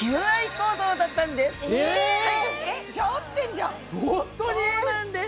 そうなんです。